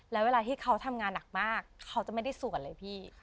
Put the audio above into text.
แล้วเวลาที่เขาทำงานหนักมากเขาจะไม่ได้สวดเลยพี่